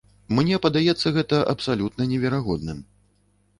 Мне падаецца гэта абсалютна неверагодным.